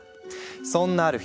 そんなある日。